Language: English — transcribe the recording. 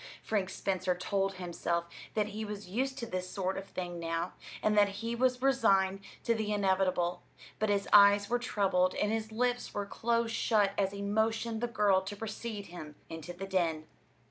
Frank Spencer told himself that he was used to this sort of thing now, and that he was resigned to the inevitable; but his eyes were troubled, and his lips were close shut as he motioned the girl to precede him into the den.